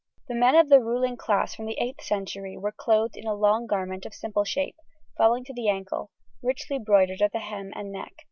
The men of the ruling class from the 8th century were clothed in a long garment of simple shape, falling to the ankle, richly bordered at the hem and neck.